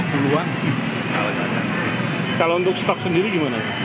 kalau untuk stok sendiri gimana